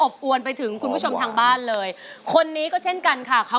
ด้านล่างเขาก็มีความรักให้กันนั่งหน้าตาชื่นบานมากเลยนะคะ